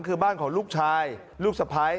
คือบ้านของลูกชายลูกสะพ้าย